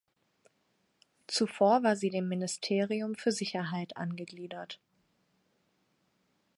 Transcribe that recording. Zuvor war sie dem Ministerium für Sicherheit angegliedert.